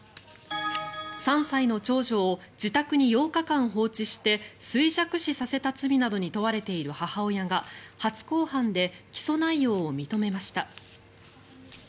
３歳の長女を自宅に８日間放置して衰弱死させた罪などに問われている母親が初公判で起訴内容を認めました。